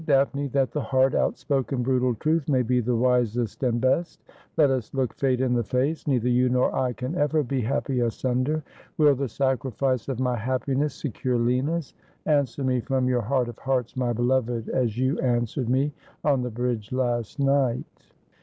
Daphne, that the haxd, outspoken, brutal truth may be the wisest and best. Let us look Fate in the face. Neither you nor I can ever be happy asunder. Will the sacrifice of my happiness secure Lina's ? 296 Asphodel. Answer me from your heart of hearts, my beloved, as you an swered me on the bridge last night.'